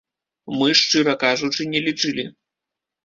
Мы, шчыра кажучы, не лічылі.